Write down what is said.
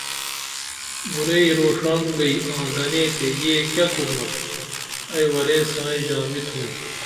بُرعی روڜان گئی آں گنے تے یہ کیہ کُرنپ ائی ورے سائیں ژامی تُھم